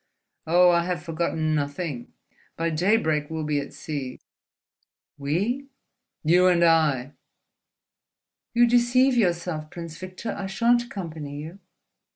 Oh, I have forgotten nothing! By daybreak we'll be at sea." "We?" "You and I." "You deceive yourself, Prince Victor. I shan't accompany you."